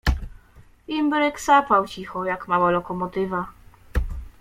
Imbryk sapał cicho, jak mała lokomo tywa.